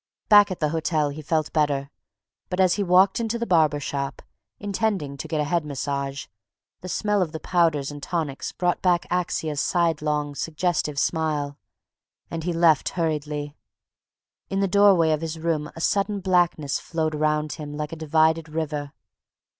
Back at the hotel he felt better, but as he walked into the barber shop, intending to get a head massage, the smell of the powders and tonics brought back Axia's sidelong, suggestive smile, and he left hurriedly. In the doorway of his room a sudden blackness flowed around him like a divided river.